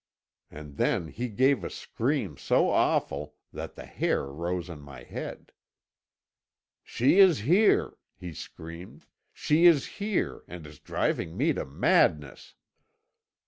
And then he gave a scream so awful that the hair rose on my head. 'She is here!' he screamed; 'she is here, and is driving me to madness!'